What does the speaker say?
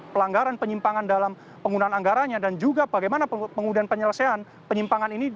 pelanggaran penyimpangan dalam penggunaan anggaranya dan juga bagaimana kemudian penyelesaian penyimpangan ini